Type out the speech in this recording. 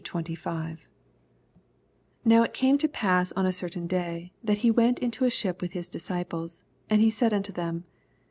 22—25 22 Now it came to pass on a certain day, that he went into a ship with his disciplea : and he said unto them.